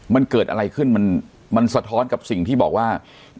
มันเกิดอะไรขึ้นมันสะท้อนกับสิ่งที่บอกว่า